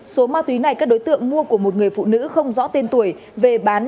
số ma túy này các đối tượng mua của một người phụ nữ không rõ tên tuổi về bán